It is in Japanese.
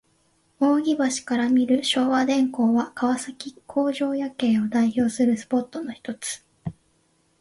扇橋から見る昭和電工は、川崎工場夜景を代表するスポットのひとつ。